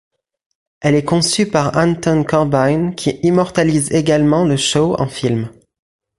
Elle est conçue par Anton Corbijn qui immortalise également le show en film.